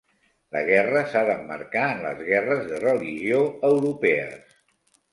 La guerra s'ha d'emmarcar en les guerres de religió europees.